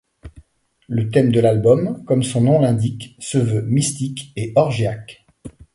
Le thème de l'album, comme son nom l'indique, se veut mystique et orgiaque.